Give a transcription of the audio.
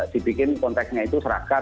dibikin konteksnya itu serahkan